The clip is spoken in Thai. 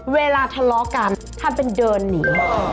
เวลาทะเลาะกันทำเป็นเดินหนี